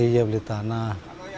iya beli tanah